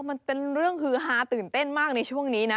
มันเป็นเรื่องฮือฮาตื่นเต้นมากในช่วงนี้นะ